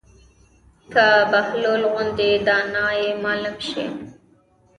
که بهلول غوندې دانا ئې معلم شي